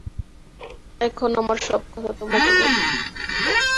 এখন আমার সব কথা তোমাকে বলি।